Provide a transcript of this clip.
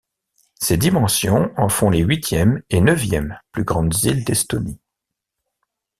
Ces dimensions en font les huitième et neuvième plus grandes îles d'Estonie.